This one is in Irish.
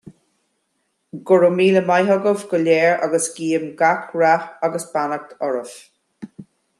Go raibh míle maith agaibh go léir agus guím gach rath agus beannacht oraibh.